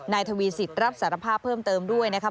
ทวีสิทธิ์รับสารภาพเพิ่มเติมด้วยนะคะ